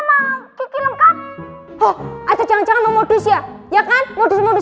ngerti ya siapa ini tahu nama kiki lengkap oh ada jangan jangan modus ya ya kan modus modus